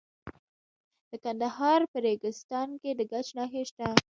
د کندهار په ریګستان کې د ګچ نښې شته.